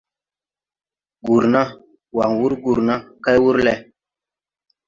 Gurna, waŋ wur gurna kay wur leʼ.